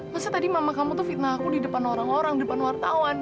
maksudnya tadi mama kamu tuh fitnah aku di depan orang orang depan wartawan